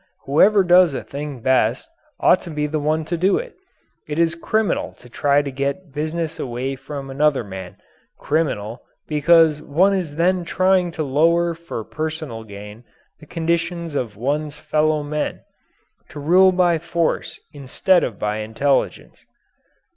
Whoever does a thing best ought to be the one to do it. It is criminal to try to get business away from another man criminal because one is then trying to lower for personal gain the condition of one's fellow men, to rule by force instead of by intelligence.